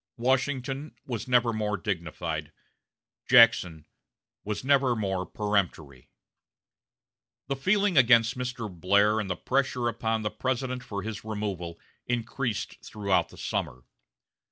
Washington was never more dignified; Jackson was never more peremptory. The feeling against Mr. Blair and the pressure upon the President for his removal increased throughout the summer.